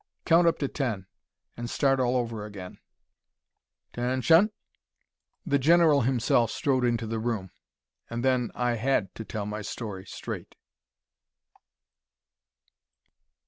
Count up to ten, and start all over again." "'Ten shun!" The general himself strode into the room. And then I had to tell my story straight.